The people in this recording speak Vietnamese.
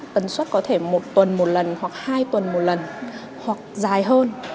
tần suất có thể một tuần một lần hoặc hai tuần một lần hoặc dài hơn